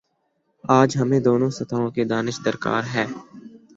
آج ہمیںدونوں سطحوں کی دانش درکار ہے